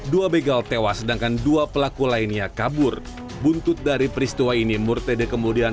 dua begal tewas sedangkan dua pelaku lainnya kabur buntut dari peristiwa ini murtede kemudian